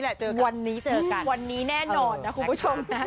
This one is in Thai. เออวันนี้แน่นอนนะคุณผู้ชมนะ